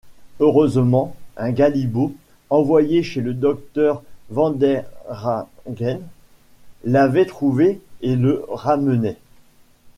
Heureusement, un galibot, envoyé chez le docteur Vanderhaghen, l’avait trouvé et le ramenait.